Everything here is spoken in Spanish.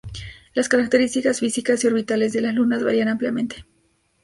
Las características físicas y orbitales de las lunas varían ampliamente.